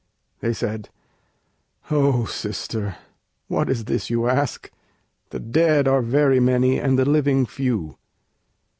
they said: 'O sister! what is this you ask? the dead Are very many and the living few!'